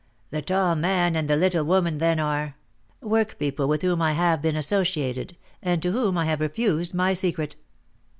"The tall man and the little woman then are " "Work people with whom I have been associated, and to whom I have refused my secret."